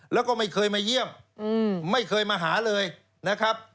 แล้วก็ไม่เคยมาเยี่ยมไม่เคยมาหาเลยนะครับ